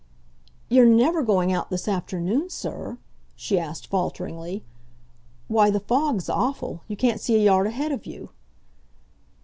"You're never going out this afternoon, sir?" she asked falteringly. "Why, the fog's awful; you can't see a yard ahead of you!"